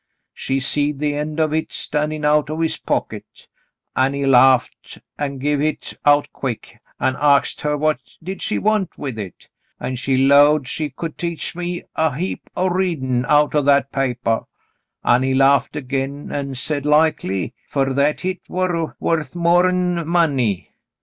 She seed the 78 The Mountain Girl « end of hit standin* out of his pocket ; an' he laughed and give hit out quick, an' axed her what did she want with hit ; and she 'lowed she could teach me a heap o' readin' out o' that papah, an' he laughed again, an' said likely, fer that hit war worth more'n the money.